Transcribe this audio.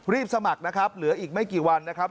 สมัครนะครับเหลืออีกไม่กี่วันนะครับ